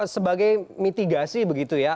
sebagai mitigasi begitu ya